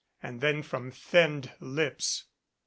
And then from thinned lips.